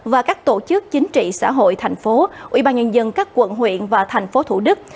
và các tổ chức chính trị xã hội thành phố ủy ban nhân dân các quận huyện và thành phố thủ đức